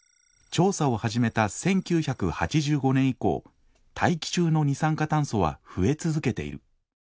調査を始めた１９８５年以降大気中の二酸化炭素は増え続けている。